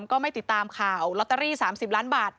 ก็ไม่ติดตามข่าวลอตเตอรี่๓๐ล้านบาท